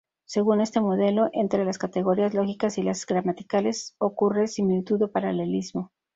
Según este modelo, entre las categorías lógicas y las gramaticales ocurre similitud o paralelismo.